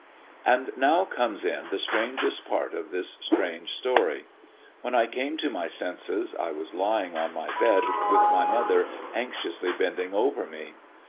And now comes in the strangest part of this strange story. When I came to my senses I was lying on my bed with my mother anxiously bending over me.